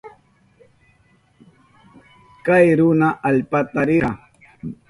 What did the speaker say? Kay runa allpata rirka.